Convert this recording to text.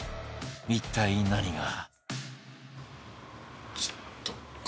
一体何が？